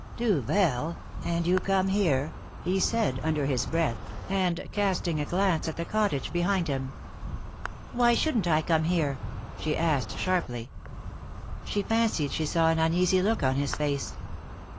"Duvel! and you come here!" he said, under his breath, and casting a glance at the cottage behind him. "Why shouldn't I come here?" she asked, sharply. She fancied she saw an uneasy look on his face.